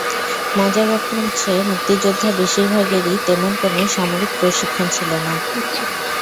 মজার ব্যাপার হচ্ছে মুক্তিযোদ্ধা বেশির ভাগেরই তেমন কোনো সামরিক প্রশিক্ষণ ছিল না।